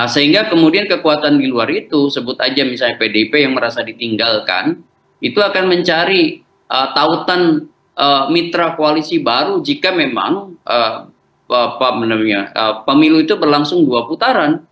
sehingga kemudian kekuatan di luar itu sebut aja misalnya pdip yang merasa ditinggalkan itu akan mencari tautan mitra koalisi baru jika memang pemilu itu berlangsung dua putaran